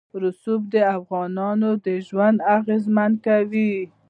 رسوب د افغانانو ژوند اغېزمن کوي.